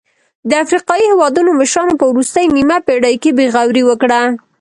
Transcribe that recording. د افریقايي هېوادونو مشرانو په وروستۍ نیمه پېړۍ کې بې غوري وکړه.